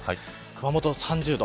熊本３０度。